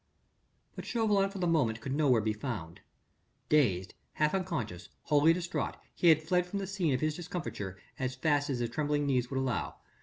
But Chauvelin for the moment could nowhere be found. Dazed, half unconscious, wholly distraught, he had fled from the scene of his discomfiture as fast as his trembling knees would allow.